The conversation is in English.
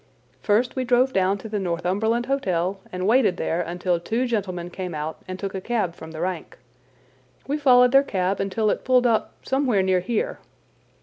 First we drove down to the Northumberland Hotel and waited there until two gentlemen came out and took a cab from the rank. We followed their cab until it pulled up somewhere near here."